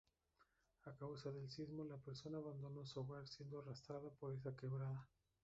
A causa del sismo la persona abandonó su hogar, siendo arrastrada por esta quebrada.